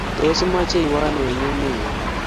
Tos imache iwe ano eng emet nyon?